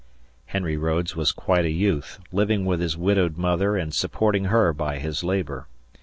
... Henry Rhodes was quite a youth, living with his widowed mother and supporting her by his labor.